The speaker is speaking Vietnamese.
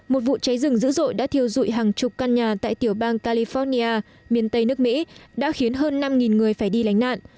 một vụ cháy rừng dữ dội đã thiêu dụi hàng chục căn nhà tại tiểu bang california miền tây nước mỹ đã khiến hơn năm người phải đi lánh nạn